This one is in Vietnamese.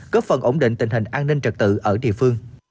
góp phần ổn định tình hình an ninh trật tự ở địa phương